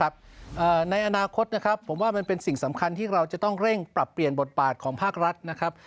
ในอนาคตนะครับผมว่ามันเป็นสิ่งสำคัญที่เราจะต้องเร่งปรับเปลี่ยนบทบาทของภาครัฐนะครับ